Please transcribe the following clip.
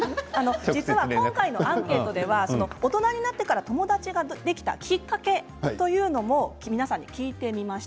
今回のアンケートで大人になってから友達ができたきっかけというのも皆さんに聞いてみました。